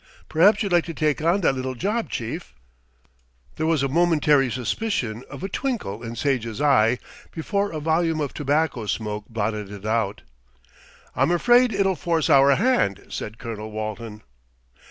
"Perhaps you'd like to take on that little job, chief." There was a momentary suspicion of a twinkle in Sage's eye before a volume of tobacco smoke blotted it out. "I'm afraid it'll force our hand," said Colonel Walton.